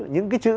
những cái chữ